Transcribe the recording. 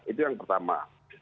itu yang pertama